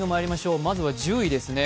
まずは１０位です。